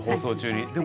放送中に。